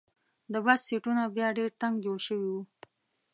د بس سیټونه بیا ډېر تنګ جوړ شوي وو.